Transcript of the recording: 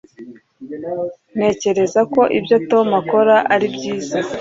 Ntekereza ko ibyo Tom akora ari byiza